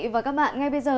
và các bạn ngay bây giờ